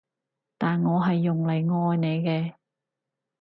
但我係用嚟愛你嘅